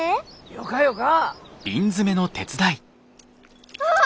よかよか。